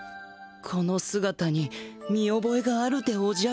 このすがたに見おぼえがあるでおじゃる。